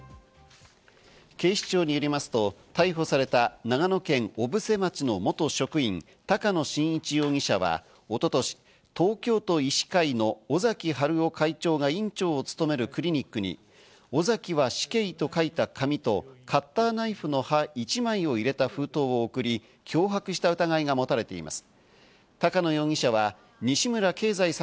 警視庁によりますと、逮捕された長野県小布施町の元職員・高野伸一容疑者は一昨年、東京都医師会の尾崎治夫会長が委員長を勤めるクリニックに「オザキハシケイ」と書いた紙とカッターナイフの刃一枚を入れた封筒を送り、脅迫した疑いが持たれています。